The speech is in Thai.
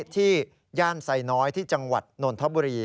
ย่านไซน้อยที่จังหวัดนนทบุรี